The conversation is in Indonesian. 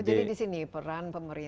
oh jadi di sini peran pemerintah